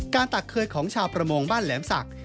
ตักเคยของชาวประมงบ้านแหลมศักดิ์